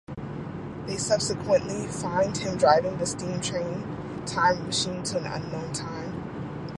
They subsequently find him driving the steam train time machine to an unknown time.